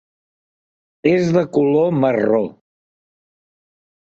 És de color marró.